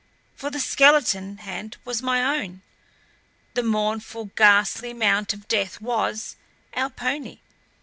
For the skeleton hand was my own. The mournful ghastly mount of death was our pony.